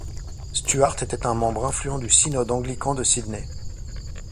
Stuart était un membre influent du synode anglican de Sydney.